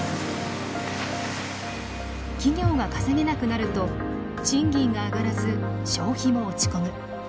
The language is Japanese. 企業が稼げなくなると賃金が上がらず消費も落ち込む。